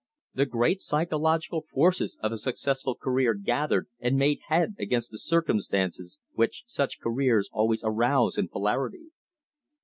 The great psychological forces of a successful career gathered and made head against the circumstances which such careers always arouse in polarity.